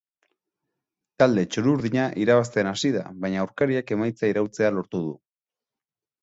Talde txuri-urdina irabazten hasi da, baina aurkariak emaitza iraultzea lortu du.